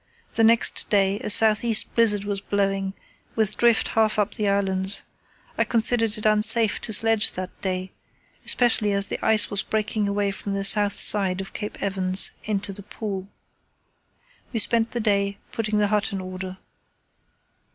The next day a south east blizzard was blowing, with drift half up the islands. I considered it unsafe to sledge that day, especially as the ice was breaking away from the south side of Cape Evans into the pool. We spent the day putting the hut in order.